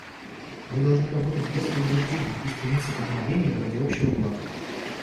Мы должны работать без предубеждений и стремиться к обновлению ради общего блага.